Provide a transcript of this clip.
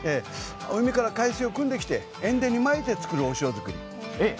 海から海水をくんできて塩田にまいて作るお塩作り。